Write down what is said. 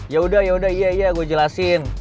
yaudah yaudah iya iya gue jelasin